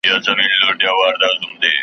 څاڅکی ومه ورک سوم پیمانې را پسي مه ګوره .